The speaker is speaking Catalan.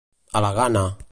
A la gana.